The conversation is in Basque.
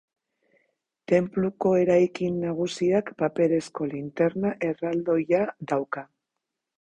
Tenpluko eraikin nagusiak paperezko linterna erraldoia dauka.